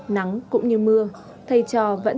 nắng cũng như mưa